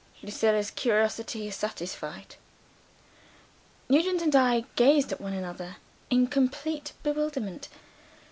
Lucilla's curiosity is satisfied." Nugent and I gazed at one another, in complete bewilderment.